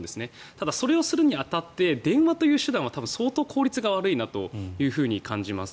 ただそれをするに当たって電話という手段は多分相当効率が悪いなと感じます。